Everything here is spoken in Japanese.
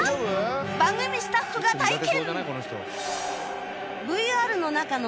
番組スタッフが体験